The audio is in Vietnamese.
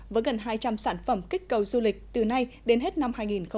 với gần hai trăm linh sản phẩm kích cầu du lịch từ nay đến hết năm hai nghìn hai mươi